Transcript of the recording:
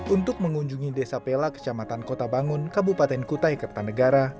untuk mengunjungi desa pela kecamatan kota bangun kabupaten kutai kertanegara